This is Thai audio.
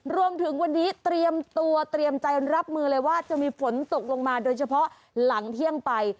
รวมถึงวันนี้เตรียมตัวเตรียมใจรับมือเลยว่าจะมีฝนตกลงมาโดยเฉพาะหลังเที่ยงไป